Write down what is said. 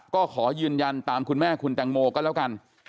ก็ขอยืนยันตามคุณแม่คุณแตงโมก็แล้วกัน